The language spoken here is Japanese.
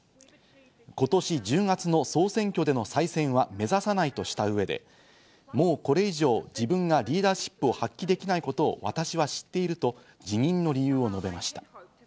今年１０月の総選挙での再選は目指さないとした上で、もうこれ以上、自分がリーダーシップを発揮できないことを私は知っていると辞任の理由を述べました。